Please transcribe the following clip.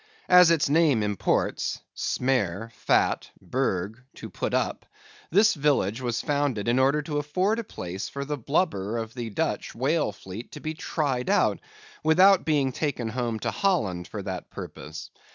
As its name imports (smeer, fat; berg, to put up), this village was founded in order to afford a place for the blubber of the Dutch whale fleet to be tried out, without being taken home to Holland for that purpose.